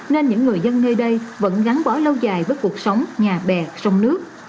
nên những người dân nơi đây vẫn gắn bó lâu dài với cuộc sống nhà bè sông nước